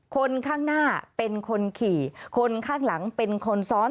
คนข้างหน้าเป็นคนขี่คนข้างหลังเป็นคนซ้อน